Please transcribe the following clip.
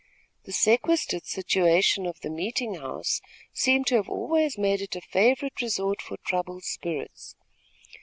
The sequestered situation of the meeting house seemed to have always made it a favorite resort for troubled spirits.